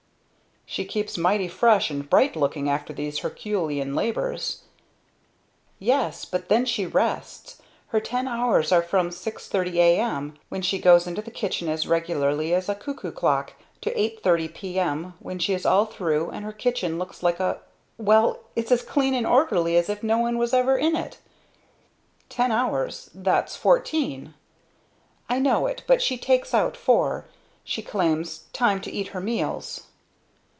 "She keeps mighty fresh and bright looking after these herculean labors." "Yes, but then she rests! Her ten hours are from six thirty a.m., when she goes into the kitchen as regularly as a cuckoo clock, to eight thirty p.m. when she is all through and her kitchen looks like a well it's as clean and orderly as if no one was ever in it." "Ten hours that's fourteen." "I know it, but she takes out four. She claims time to eat her meals."